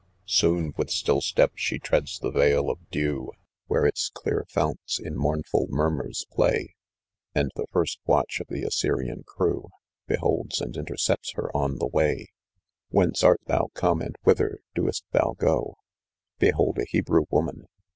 Soon, with still step, she tread, the Tale of dew, Where its clear founts in mournful murmurs play, And the first watch of the Assyrian crew, Beholds and intercepts her on tie way. • Whence art thou come and whither doest thou go "Behold a Hebrew woman.